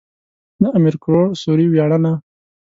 د امير کروړ سوري وياړنه.